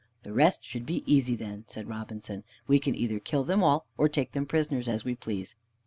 "The rest should be easy, then," Robinson said; "we can either kill them all, or take them prisoners, as we please."